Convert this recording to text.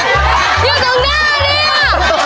ไปเลยนะไปด้านขวาง